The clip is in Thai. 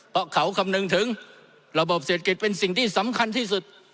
เพราะเขาคำนึงถึงระบบเศรษฐกิจเป็นสิ่งที่สำคัญที่สุด